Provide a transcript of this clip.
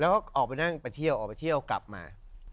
แล้วก็ออกไปนั่งไปเที่ยวออกไปเที่ยวกลับมา